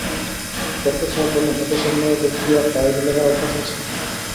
বরকত সাহেব বললেন, এ-দেশের মেয়েদের কি আর ডায়েরি লেখার অভ্যাস আছে?